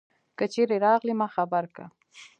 که چیری راغلي ما خبر که